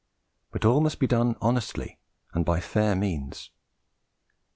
But all must be done honestly and by fair means.